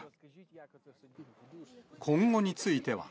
今後については。